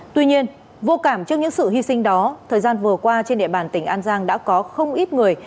tuy nhiên vô cảm trước những sự hy sinh đó thời gian vừa qua trên địa bàn tỉnh an giang đã có không ít người